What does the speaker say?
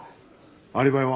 アリバイは？